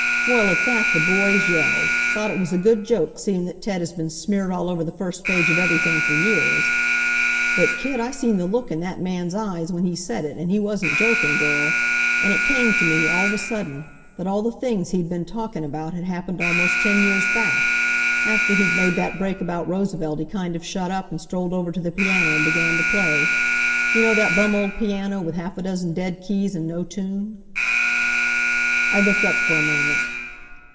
Well, at that the boys yelled. Thought it was a good joke, seein' that Ted had been smeared all over the first page of everything for years. But kid, I seen th' look in that man's eyes when he said it, and he wasn't jokin', girl. An' it came t' me, all of a sudden, that all the things he'd been talkin' about had happened almost ten years back. After he'd made that break about Roosevelt he kind of shut up, and strolled over to the piano and began t' play. You know that bum old piano, with half a dozen dead keys, and no tune?" I looked up for a moment.